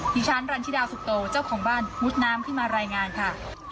ดิฉันรันธิดาสุโตเจ้าของบ้านมุดน้ำขึ้นมารายงานค่ะ